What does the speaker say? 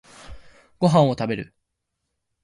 ご飯を食べる